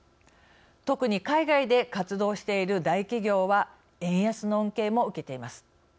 特に海外で活動している大企業は円安の恩恵も受けています。